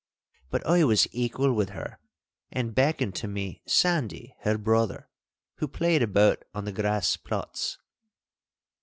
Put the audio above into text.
But I was equal with her, and beckoned to me Sandy, her brother, who played about on the grass plots.